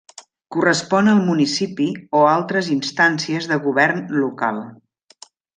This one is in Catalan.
Correspon al municipi o altres instàncies de govern local.